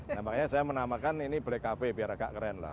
nah makanya saya menamakan ini black cafe biar agak keren lah